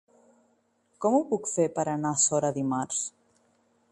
Com ho puc fer per anar a Sora dimarts?